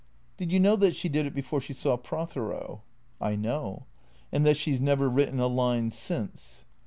" Did you know that she did it before she saw Prothero." " I know." " And that she 's never written a line since